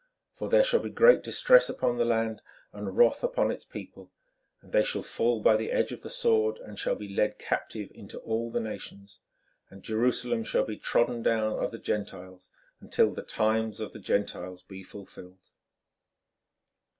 for there shall be great distress upon the land and wrath unto this people. And they shall fall by the edge of the sword, and shall be led captive into all the nations; and Jerusalem shall be trodden down of the Gentiles until the times of the Gentiles be fulfilled."